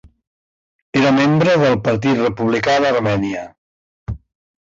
Era membre del Partit Republicà d'Armènia.